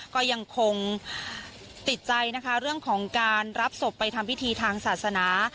ก็ยังคงติดใจนะคะเรื่องของการรับศพไปทำพิธีทางศาสนา